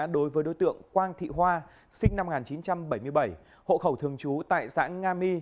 đối với đối tượng quang thị hoa sinh năm một nghìn chín trăm bảy mươi bảy hộ khẩu thường trú tại xã nga my